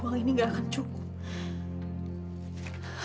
uang ini gak akan cukup